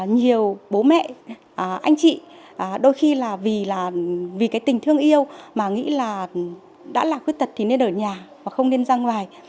nhiều bố mẹ anh chị đôi khi là vì là vì cái tình thương yêu mà nghĩ là đã là khuyết tật thì nên ở nhà và không nên ra ngoài